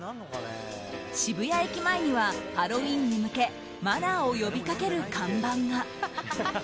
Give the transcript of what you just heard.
渋谷駅前にはハロウィーンに向けマナーを呼び掛ける看板が。